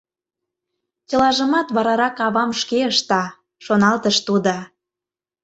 «Чылажымат варарак авам шке ышта», — шоналтыш тудо.